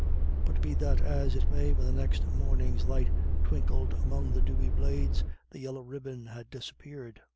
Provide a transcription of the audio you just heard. But be that as it may, when the next morning's light twinkled among the dewy blades, the yellow ribbon had disappeared.